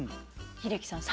英樹さん